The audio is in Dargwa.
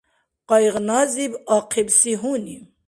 Къайгъназиб ахъибси гьуни